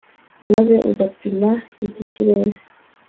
maze ugapima iki ikirere